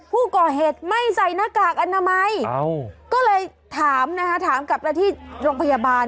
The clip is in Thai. ผู้ก่อเหตุไม่ใส่หน้ากากอนามัย